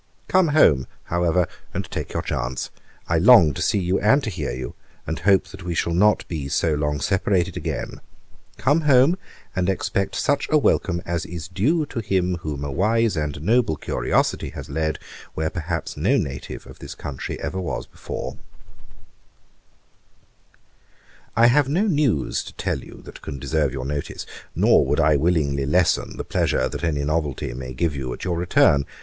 'Come home, however, and take your chance. I long to see you, and to hear you; and hope that we shall not be so long separated again. Come home, and expect such a welcome as is due to him whom a wise and noble curiosity has led, where perhaps no native of this country ever was before. 'I have no news to tell you that can deserve your notice; nor would I willingly lessen the pleasure that any novelty may give you at your return.